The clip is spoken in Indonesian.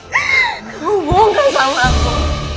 kamu bukan sama aku